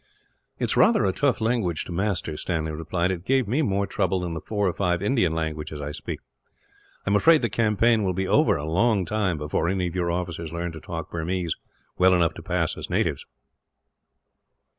"It is rather a tough language to master," Stanley replied. "It gave me more trouble than the four or five Indian languages I speak. I am afraid the campaign will be over, a long time, before any of your officers learn to talk Burmese well enough to pass as natives."